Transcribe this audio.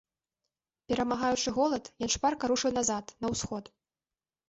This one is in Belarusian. Перамагаючы голад, ён шпарка рушыў назад, на ўсход.